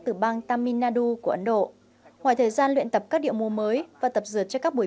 từ bang taminadu của ấn độ ngoài thời gian luyện tập các điệu múa mới và tập dượt cho các buổi